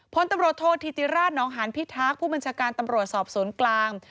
พลตำรวจโทษธิติราชนองหานพิทักษ์ผู้บัญชาการตำรวจสอบสวนกลาง